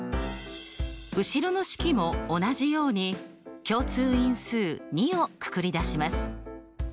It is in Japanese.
後ろの式も同じように共通因数２をくくり出します。